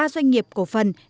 ba doanh nghiệp cổ phần